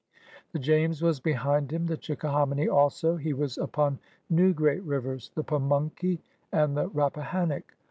The James was behind hiin, the Chickahominy also; he was upon new great rivers, the Pamunkey and the Rappahannock.